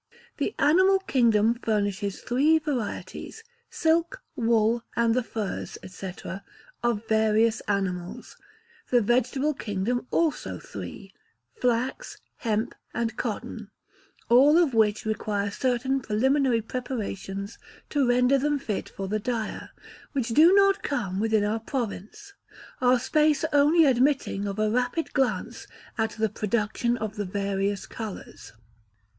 The animal kingdom furnishes three varieties silk, wool, and the furs, &c., of various animals; the vegetable kingdom also three flax, hemp, and cotton: all of which require certain preliminary preparations to render them fit for the dyer, which do not come within our province, our space only admitting of a rapid glance at the production of the various colours.